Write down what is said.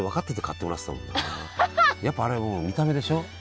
やっぱあれも見た目でしょ？